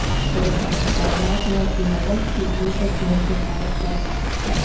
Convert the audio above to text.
Podobný scénář měl i japonský útok v městě samotném.